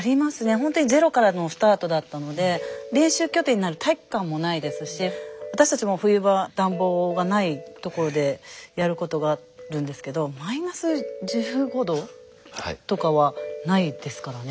ほんとにゼロからのスタートだったので練習拠点になる体育館もないですし私たちも冬場暖房がないところでやることがあるんですけどマイナス１５℃とかはないですからね。